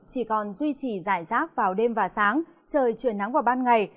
chỉ còn duy trì giải rác vào đêm và sáng trời chuyển nắng vào ban ngày